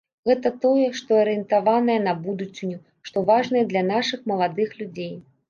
Гэта тое, што арыентаванае на будучыню, што важнае для нашых маладых людзей.